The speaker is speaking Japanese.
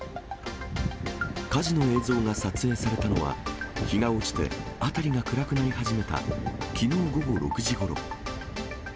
火事の映像が撮影されたのは、日が落ちて辺りが暗くなり始めた、きのう午後６時ごろ。